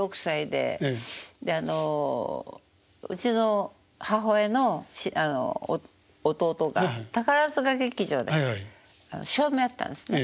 であのうちの母親の弟が宝塚劇場で照明やってたんですね。